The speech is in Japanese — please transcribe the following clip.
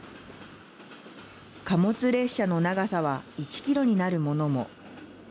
貨物列車の長さは１ｋｍになるものも。